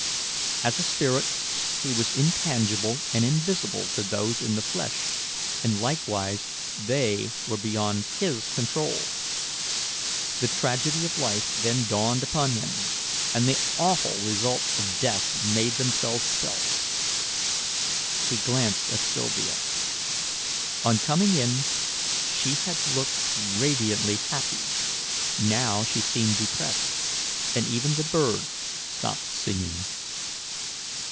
As a spirit, he was intangible and invisible to those in the flesh, and likewise they were beyond his control. The tragedy of life then dawned upon him, and the awful results of death made themselves felt. He glanced at Sylvia. On coming in she had looked radiantly happy; now she seemed depressed, and even the bird stopped singing.